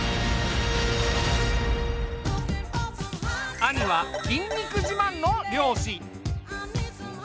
兄は筋肉自慢の漁師。